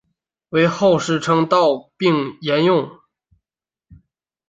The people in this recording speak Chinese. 为后世称道并沿用。